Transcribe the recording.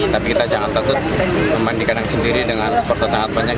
tapi kita jangan takut memandikan sendiri dengan supporter sangat banyak